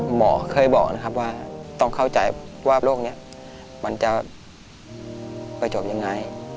หมอเคยบอกนะครับว่าต้องเข้าใจว่าโรคนี้มันจะไปจบยังไง